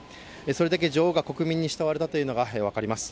それだけ女王が国民に慕われたというのがよく分かります。